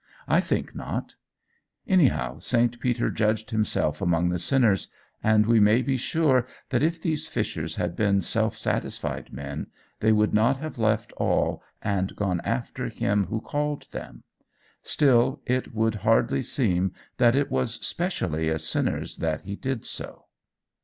I think not. Anyhow St. Peter judged himself among the sinners, and we may be sure that if these fishers had been self satisfied men, they would not have left all and gone after him who called them. Still it would hardly seem that it was specially as sinners that he did so.